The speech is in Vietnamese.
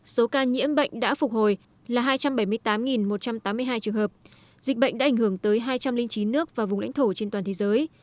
số ca nhiễm bệnh đã phục hồi là hai trăm bảy mươi tám một trăm tám mươi hai trường hợp dịch bệnh đã ảnh hưởng tới hai trăm linh chín nước và vùng lãnh thổ trên toàn thế giới